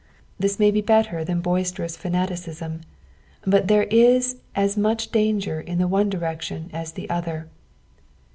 This may be better than boisterous fanaticism, but there is as much dangerin the ouc direction as the other.